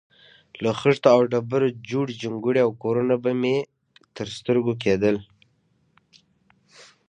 له خښتو او ډبرو جوړې جونګړې او کورونه به مې تر سترګو کېدل.